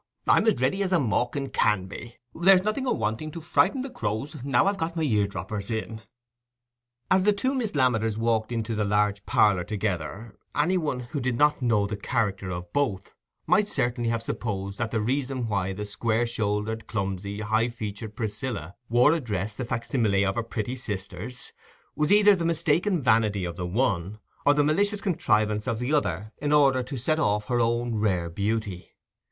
I'm as ready as a mawkin can be—there's nothing awanting to frighten the crows, now I've got my ear droppers in." As the two Miss Lammeters walked into the large parlour together, any one who did not know the character of both might certainly have supposed that the reason why the square shouldered, clumsy, high featured Priscilla wore a dress the facsimile of her pretty sister's, was either the mistaken vanity of the one, or the malicious contrivance of the other in order to set off her own rare beauty.